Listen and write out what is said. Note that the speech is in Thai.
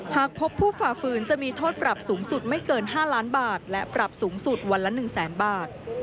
หากพบผู้ฝ่าฝืนจะมีโทษปรับสูงสุดไม่เกิน๕ล้านบาทและปรับสูงสุดวันละ๑แสนบาท